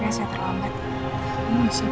ya setelah menemani